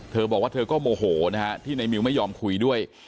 เธอบอกว่าเธอก็โมโหนะฮะที่ในมิวไม่ยอมคุยด้วย